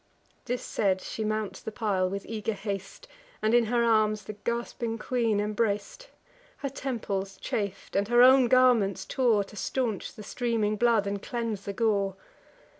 This said, she mounts the pile with eager haste, And in her arms the gasping queen embrac'd; Her temples chaf'd; and her own garments tore, To stanch the streaming blood, and cleanse the gore.